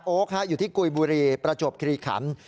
โอ๊คค่ะอยู่ที่กุยบุรีประจบคีรีขันศ์